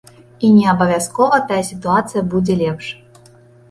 І не абавязкова тая сітуацыя будзе лепш.